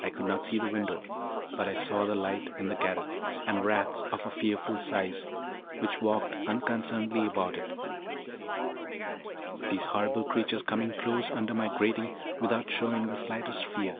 I could not see the window, but I saw the light in the garret, and rats of a fearful size, which walked unconcernedly about it; these horrible creatures coming close under my grating without shewing the slightest fear.